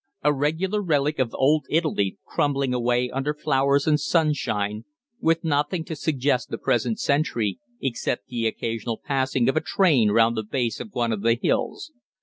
A regular relic of old Italy crumbling away under flowers and sunshine, with nothing to suggest the present century except the occasional passing of a train round the base of one of the hills.